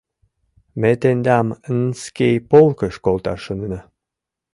— Ме тендам Н-ский полкыш колташ шонена.